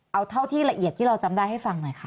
เอาเท่าที่ละเอียดที่เราจำได้ให้ฟังหน่อยค่ะ